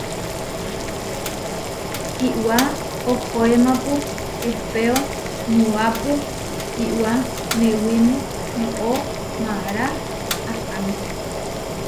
Iʼwá ohóemapu ehpéo muápu iʼwá newimú noʼó mára aháma.